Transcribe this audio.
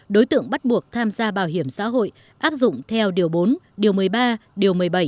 đối tượng bắt buộc tham gia bảo hiểm xã hội áp dụng theo điều bốn điều một mươi ba điều một mươi bảy